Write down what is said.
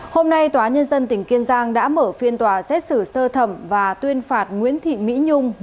hôm nay tòa nhân dân tỉnh kiên giang đã mở phiên tòa xét xử sơ thẩm và tuyên phạt nguyễn thị mỹ nhung